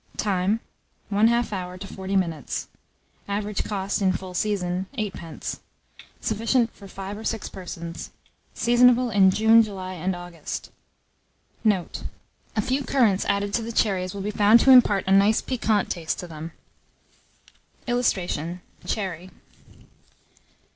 Time. 1/2 hour to 40 minutes. Average cost, in full season, 8d. Sufficient for 5 or 6 persons. Seasonable in June, July, and August. Note. A few currants added to the cherries will be found to impart a nice piquant taste to them. [Illustration: CHERRY.